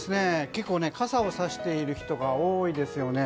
結構傘をさしている人が多いですよね。